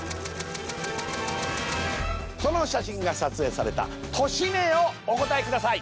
その写真が撮影された都市名をお答えください